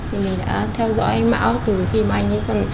thì mình đã theo dõi mão từ khi mà anh ấy còn